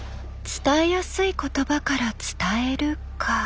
伝えやすい言葉から伝えるか。